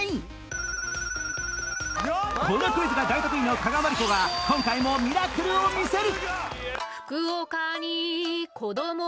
このクイズが大得意の加賀まりこが今回もミラクルを見せる！